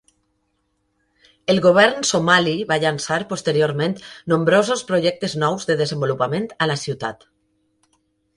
El govern somali va llançar, posteriorment, nombrosos projectes nous de desenvolupament a la ciutat.